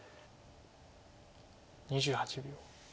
２８秒。